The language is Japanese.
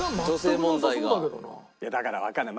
いやだからわからない。